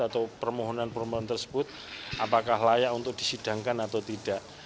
atau permohonan permohonan tersebut apakah layak untuk disidangkan atau tidak